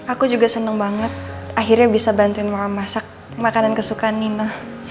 aku juga seneng banget akhirnya bisa bantuin mama masak makanan kesukaan nino